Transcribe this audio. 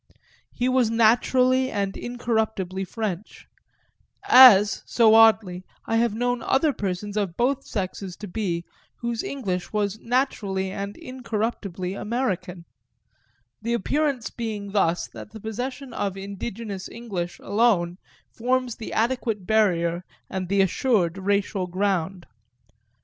He was naturally and incorruptibly French as, so oddly, I have known other persons of both sexes to be whose English was naturally and incorruptibly American; the appearance being thus that the possession of indigenous English alone forms the adequate barrier and the assured racial ground.